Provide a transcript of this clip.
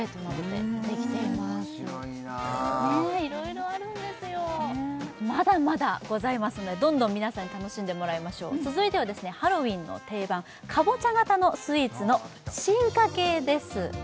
面白いないろいろあるんですよまだまだございますのでどんどん皆さんに楽しんでもらいましょう続いてはハロウィンの定番カボチャ型のスイーツの進化系です